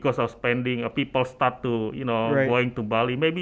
karena orang orang mulai mengambil